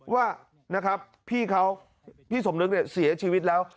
ว่าพี่เขาพี่สมนึงเสียชีวิตแล้ว